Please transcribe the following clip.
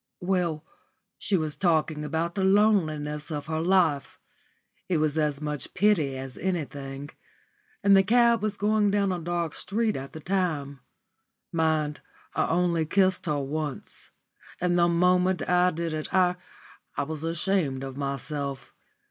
"Well, she was talking about the loneliness of her life. It was as much pity as anything. And the cab was going down a dark street at the time. Mind, I only kissed her once. And the moment I did it I I was ashamed of myself.